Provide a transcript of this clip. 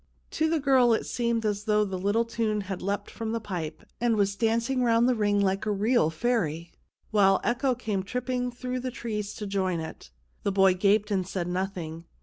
To the girl it seemed as though the little tune had leapt from the pipe, and was dancing round the ring like a real fairy, while echo came tripping through the trees to join it. The boy gaped and said nothing.